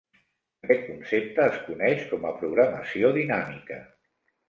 Aquest concepte es coneix com a programació dinàmica.